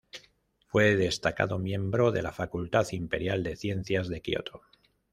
Fue destacado miembro de la Facultad Imperial de Ciencias de Kioto.